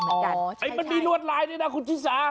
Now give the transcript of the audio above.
มันมีรวดลายด้วยนะคุณชิสา